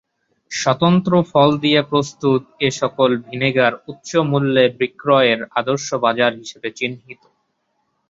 স্বতন্ত্র ফল দিয়ে প্রস্তুত এ সকল ভিনেগার উচ্চ মূল্যে বিক্রয়ের আদর্শ বাজার হিসেবে চিহ্নিত।